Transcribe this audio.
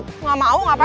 gak mau ngapain